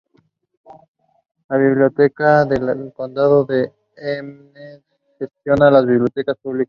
La Biblioteca del Condado de Hennepin gestiona las bibliotecas públicas.